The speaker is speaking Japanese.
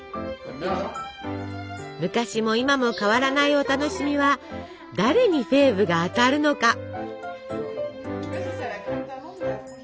昔も今も変わらないお楽しみは誰にフェーブが当たるのか。